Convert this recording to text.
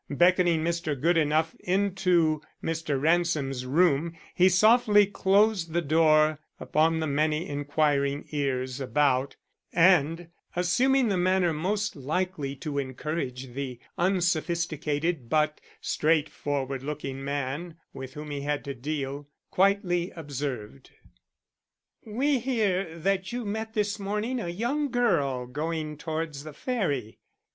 Beckoning Mr. Goodenough into Mr. Ransom's room, he softly closed the door upon the many inquiring ears about, and, assuming the manner most likely to encourage the unsophisticated but straightforward looking man with whom he had to deal, quietly observed: "We hear that you met this morning a young girl going towards the Ferry.